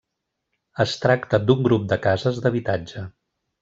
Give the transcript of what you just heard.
Es tracta d'un grup de cases d'habitatge.